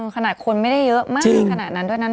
ขนาดคนไม่ได้เยอะมากขนาดนั้นด้วยนะ